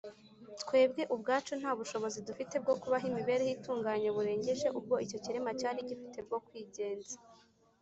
. Twebwe ubwacu nta bushobozi dufite bwo kubaho imibereho itunganye burengeje ubwo icyo kirema cyari gifite bwo kwigenza